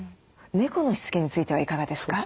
猫のしつけについてはいかがですか？